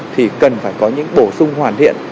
thì cần phải có những bổ sung hoàn thiện